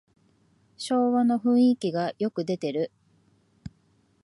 昭和の雰囲気がよく出てる